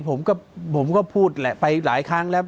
ผมก็พูดแหละไปหลายครั้งแล้ว